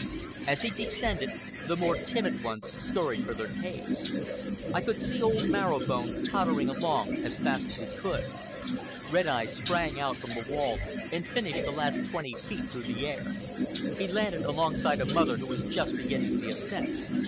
As he descended, the more timid ones scurried for their caves. I could see old Marrow Bone tottering along as fast as he could. Red Eye sprang out from the wall and finished the last twenty feet through the air. He landed alongside a mother who was just beginning the ascent.